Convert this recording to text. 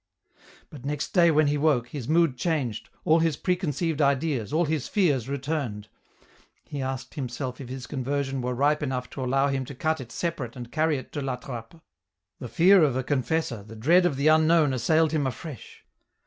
But nex da) when he woke, his mood changed, all his preconcei\ec ideas all his fear? returned ; he asked himself if hii convcrsioi wen ript enough to allow him to cut it separate anc carry it tc Lo Trappc ; the fear of a confessor, the dread o the unknowi assailed him afresh.